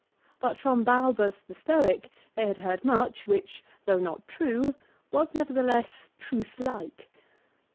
But from Balbus, the Stoic, they had heard much, which though not true, was nevertheless truthlike.